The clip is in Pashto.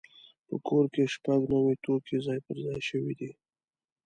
په کور کې شپږ نوي توکي ځای پر ځای شوي دي.